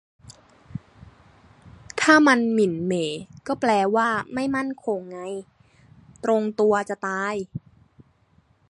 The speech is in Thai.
ถ้ามัน หมิ่นเหม่ ก็แปลว่า ไม่มั่นคง ไง ตรงตัวจะตาย